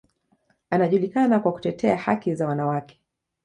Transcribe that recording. Anajulikana kwa kutetea haki za wanawake.